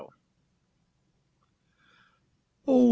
Oh!